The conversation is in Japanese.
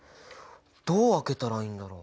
どう分けたらいいんだろう？